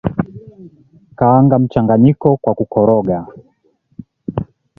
Kaanga mchanganyiko kwa kukoroga